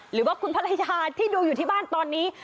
หรือว่าคุณภรรยาที่ดูอยู่ที่บ้านตอนนี้